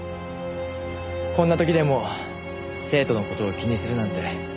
こんな時でも生徒の事を気にするなんて。